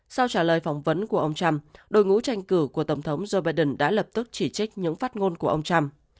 sau trả lời phỏng vấn của ông trump đội ngũ tranh cử của tổng thống joe biden đã lập tức chỉ trích những phát ngôn của ông trump